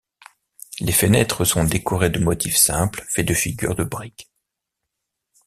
Les fenêtres sont décorées de motifs simples faits de figures de briques.